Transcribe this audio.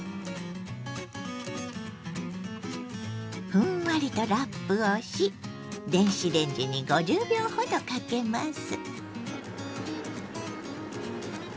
ふんわりとラップをし電子レンジに５０秒ほどかけます。